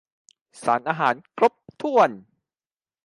สารอาหารครบถ้วน